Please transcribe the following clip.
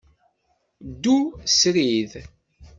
Ddu srid.